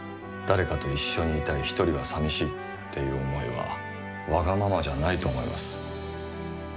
誰かと一緒にいたいひとりはさみしいっていう思いはわがままじゃないと思います。